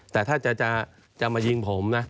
แต่ถ้าจะมายิงผมนะ